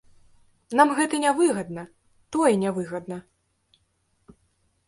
Нам гэта не выгадна, тое не выгадна.